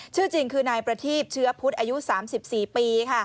ชื่อจริงคือนายประทีบเชื้อพุทธอายุ๓๔ปี